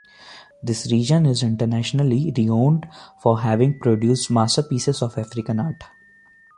This region is internationally renowned for having produced masterpieces of African art.